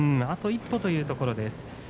あと一歩というところです。